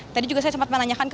tadi juga saya sempat menanyakan